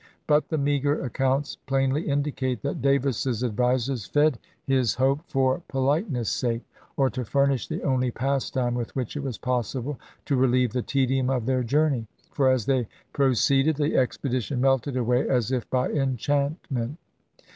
But the meager accounts plainly indicate that Davis's advisers fed his hope for politeness' sake, or to furnish the only pastime with which it was possible to relieve the tedium of their journey ; for as they proceeded the expedition melted away as if by enchantment.